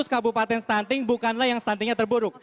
seratus kabupaten stunting bukanlah yang stuntingnya terburuk